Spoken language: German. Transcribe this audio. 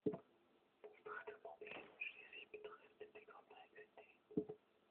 Das dritte Problem schließlich betrifft die Komplexität.